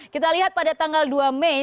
kita lihat pada tanggal dua mei